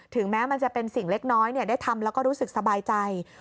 แม้มันจะเป็นสิ่งเล็กน้อยได้ทำแล้วก็รู้สึกสบายใจ